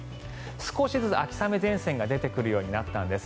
少しずつ秋雨前線が出てくるようになったんです。